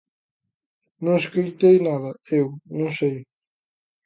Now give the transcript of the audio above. Non escoitei nada eu, non sei.